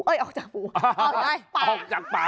เอ้ยออกจากหูออกจากปาก